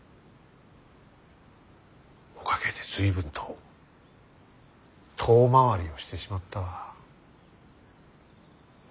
おかげで随分と遠回りをしてしまったわ。